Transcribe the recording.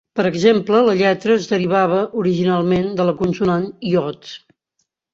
Per exemple, la lletra es derivava originalment de la consonant "yod".